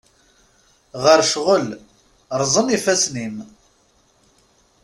Ɣer ccɣel, rẓen yifassen-im.